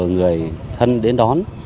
người thân đến đón